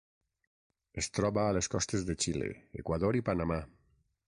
Es troba a les costes de Xile, Equador i Panamà.